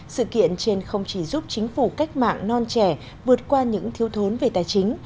sự kiện trên không chỉ giúp chính phủ cách mạng non trẻ vượt qua những thiếu thốn về tài chính